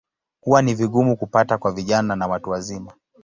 Huwa ni vigumu kupata kwa vijana na watu wazima.